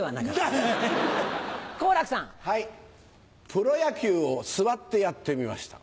プロ野球を座ってやってみました。